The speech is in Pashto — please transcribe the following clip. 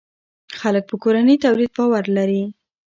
خلک په کورني تولید باور لري.